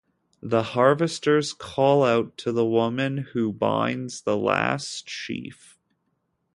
The harvesters call out to the woman who binds the last sheaf.